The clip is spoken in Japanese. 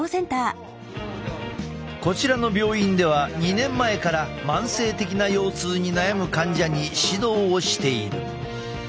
こちらの病院では２年前から慢性的な腰痛に悩む患者に指導をしている。